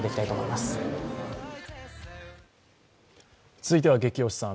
続いては「ゲキ推しさん」。